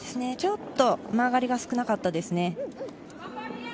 ちょっと曲がりが少なかったですね。